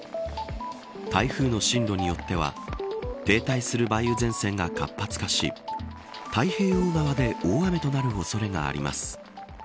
台風の進路によっては停滞する梅雨前線が活発化し太平洋側で大雨となる恐れがあります。